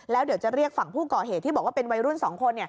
แล้วเดี๋ยวจะเรียกฝั่งผู้ก่อเหตุที่บอกว่าเป็นวัยรุ่น๒คน